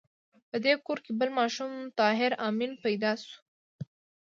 په دې کور کې بل ماشوم طاهر آمین پیدا شو